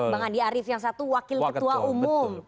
bang andi arief yang satu wakil ketua umum